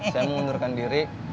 saya mau mundurkan diri